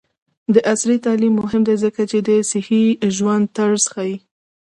عصري تعلیم مهم دی ځکه چې د صحي ژوند طرز ښيي.